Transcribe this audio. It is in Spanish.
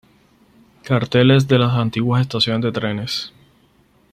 Carteles de las antiguas estaciones de trenes.